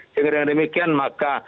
sehingga dengan demikian maka